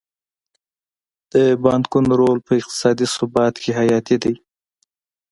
د بانکونو رول په اقتصادي ثبات کې حیاتي دی.